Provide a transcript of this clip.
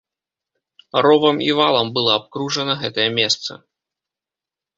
Ровам і валам было абкружана гэтае месца.